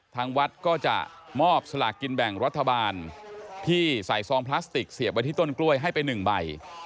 ทางวัดก็จะมอบสลากกินแบ่งรัฐบาลที่ใส่ซองพลาสติกเสียบไว้ที่ต้นกล้วยให้ไป๑ใบ